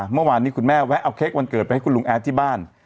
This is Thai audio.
เมื่อวานนี้คุณแม่แวะเอาเค้กวันเกิดไปให้คุณลุงแอดที่บ้าน